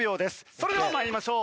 それでは参りましょう。